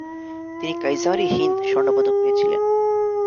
তিনি কাইজার-ই-হিন্দ স্বর্ণপদক পেয়েছিলেন।